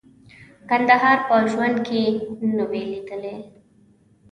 کندهار په ژوند کې نه وې لیدلي.